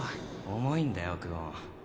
重いんだよ久遠。